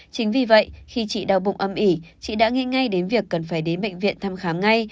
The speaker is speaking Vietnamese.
chính vì vậy khi chị đau bụng âm ỉ chị đã nghĩ ngay đến việc cần phải đến bệnh viện thăm khám ngay